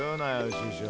師匠。